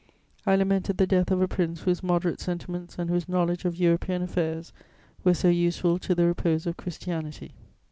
I lamented the death of a Prince whose moderate sentiments and whose knowledge of European affairs were so useful to the repose of Christianity.